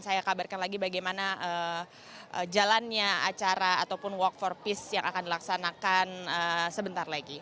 saya kabarkan lagi bagaimana jalannya acara ataupun walk for peace yang akan dilaksanakan sebentar lagi